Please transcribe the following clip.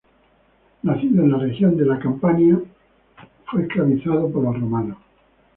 Nacido en la región de la Campania, fue esclavizado por los romanos.